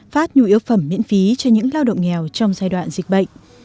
phát nhu yếu phẩm miễn phí cho những lao động nghèo trong giai đoạn dịch bệnh